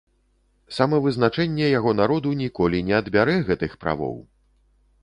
Самавызначэнне яго народу ніколі не адбярэ гэтых правоў!